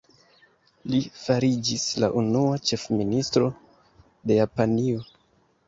Li fariĝis la unua Ĉefministro de Japanio.